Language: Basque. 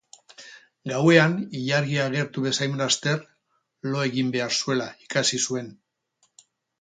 Gauean ilargia agertu bezain laster lo egin behar zuela ikasi zuen.